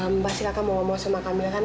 mbak silahkan mau ngomong sama kamilah kan